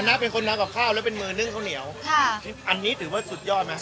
นะเป็นคนทำกับข้าวแล้วเป็นมือนึ่งข้าวเหนียวค่ะอันนี้ถือว่าสุดยอดไหม